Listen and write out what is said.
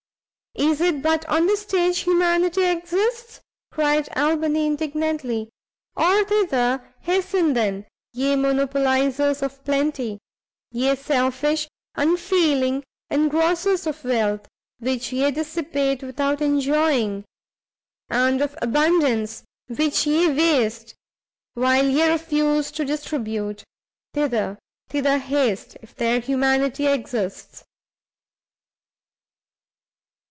"Is it but on the stage, humanity exists?" cried Albany, indignantly; "Oh thither hasten, then, ye monopolizers of plenty! ye selfish, unfeeling engrossers of wealth, which ye dissipate without enjoying, and of abundance, which ye waste while ye refuse to distribute! thither, thither haste, if there humanity exists!"